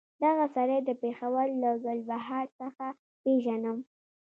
دغه سړی د پېښور له ګلبهار څخه پېژنم.